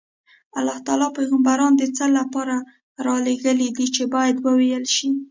الله تعالی پیغمبران د څه لپاره رالېږلي دي باید وویل شي.